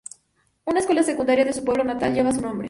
Una escuela secundaria de su pueblo natal lleva su nombre.